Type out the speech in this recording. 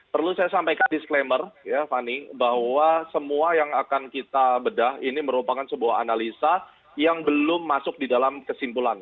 perlu saya sampaikan disclaimer ya fani bahwa semua yang akan kita bedah ini merupakan sebuah analisa yang belum masuk di dalam kesimpulan